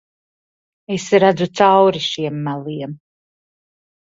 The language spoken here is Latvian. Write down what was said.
Es redzu cauri šiem meliem.